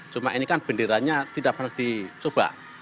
cuma ini kan benderanya tidak pernah dicoba